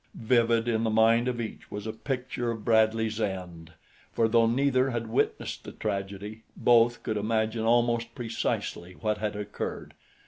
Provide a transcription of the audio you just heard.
Vivid in the mind of each was a picture of Bradley's end, for though neither had witnessed the tragedy, both could imagine almost precisely what had occurred.